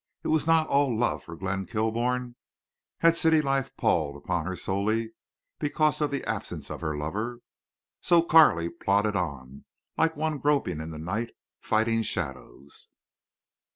It was not all love for Glenn Kilbourne. Had city life palled upon her solely because of the absence of her lover? So Carley plodded on, like one groping in the night, fighting shadows.